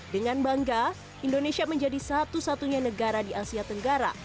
dengan bangga indonesia menjadi satu satunya negara di asia tenggara